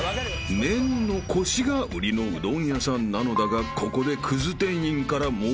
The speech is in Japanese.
［麺のコシが売りのうどん屋さんなのだがここで］